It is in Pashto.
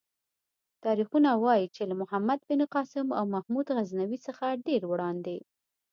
تاریخونه وايي چې له محمد بن قاسم او محمود غزنوي څخه ډېر وړاندې.